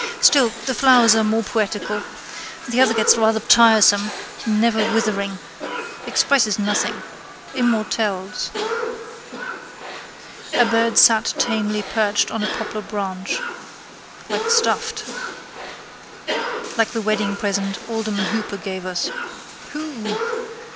Still, the flowers are more poetical. The other gets rather tiresome, never withering. Expresses nothing. Immortelles. A bird sat tamely perched on a poplar branch. Like stuffed. Like the wedding present alderman Hooper gave us. Hoo!